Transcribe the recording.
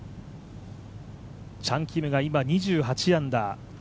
チャン・キムが今２８アンダー。